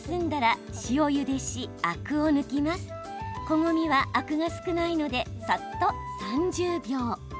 こごみはアクが少ないのでサッと３０秒。